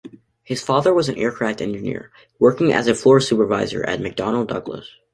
His father was an aircraft engineer, working as a floor supervisor at McDonnell Douglas.